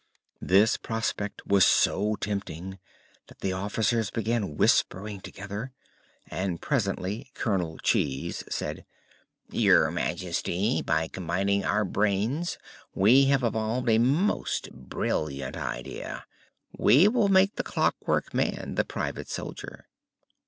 This prospect was so tempting that the officers began whispering together and presently Colonel Cheese said: "Your Majesty, by combining our brains we have just evolved a most brilliant idea. We will make the Clockwork Man the private soldier!"